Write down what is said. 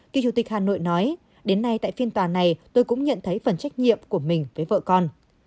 kỳ chủ tịch hà nội nói đến nay tại phiên tòa này tôi cũng nhận thấy phần trách nhiệm của mình với vợ con